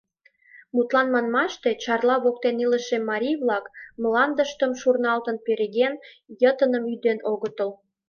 Мутлан манмаште, Чарла воктен илыше марий-влак, мландыштым шурнылан переген, йытыным ӱден огытыл.